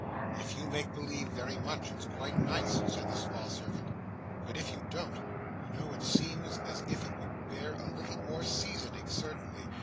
'If you make believe very much, it's quite nice,' said the small servant, 'but if you don't, you know, it seems as if it would bear a little more seasoning, certainly.